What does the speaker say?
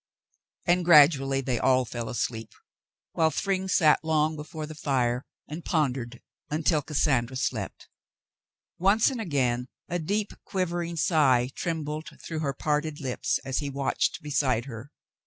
x^Lnd gradually they all fell asleep, while Thryng sat long before the fire and pondered until Cassandra slept. Once and again a deep quivering sigh trembled through her parted lips, as he watched beside her.